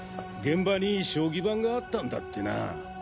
現場に将棋盤があったんだってな。